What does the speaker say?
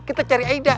kita cari aida